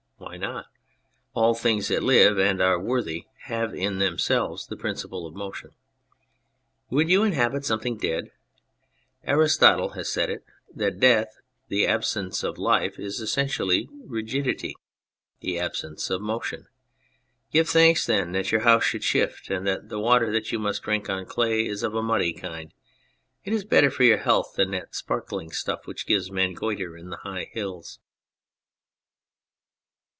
Why not ? All things that live and are worthy have in themselves the principle of motion. Would you inhabit something dead ? Aristotle has said it, that death, the absence of life, is essentially rigidity, the absence of motion. Give thanks then that your house should shift, and that the water that you must drink on clay is of a muddy kind ; it is better for your health than that sparkling stuff which gives men goitre in the high hills.